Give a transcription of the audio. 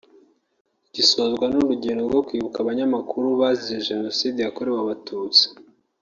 gisozwa n’urugendo rwo kwibuka abanyamakuru bazize Jenoside yakorewe Abatutsi